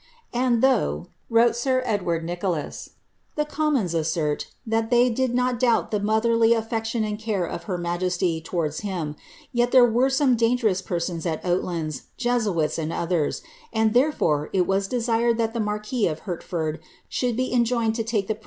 "And though," wrote sir E<lward Nicholas, " the commons asserted * tliat they i«J Dot doubt the motherly affection and care of her majesty towards him ; yet ■■'cre were some dangerous persons at Oatlands, Jesuits and others ; and there >rf it was desired that the marquis of Hertford should be enjoined to take the